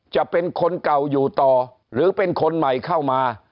จะเป็นคนเก่าอยู่ต่อหรือเป็นคนใหม่เข้ามา